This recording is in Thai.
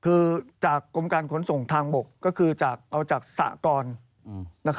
คือจากกรมการขนส่งทางบกก็คือเอาจากสหกร